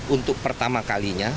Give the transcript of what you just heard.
untuk pertama kalinya